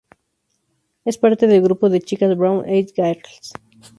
Es parte del grupo de chicas Brown Eyed Girls.